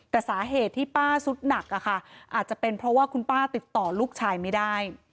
แต่สาเหตุที่ป้าสุดหนักอะค่ะอาจจะเป็นเพราะว่าคุณป้าติดต่อลูกชายไม่ได้